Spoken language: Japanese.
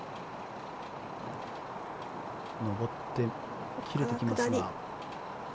上って切れてきますが。